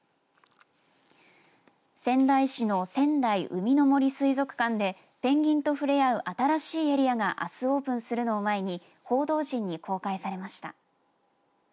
仙台市の仙台うみの杜水族館でペンギンと触れ合う新しいエリアがあすオープンするのを前に報道陣に公開されました。